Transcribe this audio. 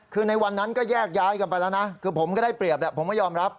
คือในวันนั้นก็แยกย้ายกันไปแล้วนะคือผมก็ได้เปรียบแหละผมไม่ยอมรับ